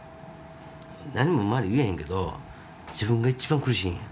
何も周り言えんけど自分が一番苦しいんや。